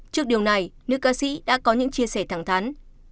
trước điều này nữ ca sĩ đã có những chia sẻ thẳng thắn